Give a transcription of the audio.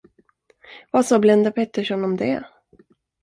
Vad sade Blenda Pettersson om det?